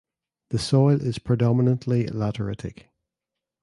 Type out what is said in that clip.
The soil is predominantly lateritic.